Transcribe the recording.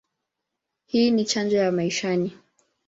Hii ni chanjo ya maishani.